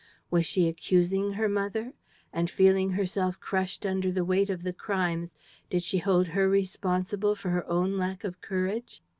Was she accusing her mother? And, feeling herself crushed under the weight of the crimes, did she hold her responsible for her own lack of courage?